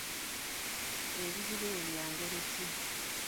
Ebizibu ebyo bya ngeri ki?